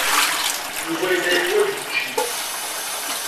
Yuba yella yeḥwaj učči.